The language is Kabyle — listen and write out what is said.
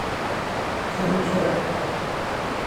Xdem kra!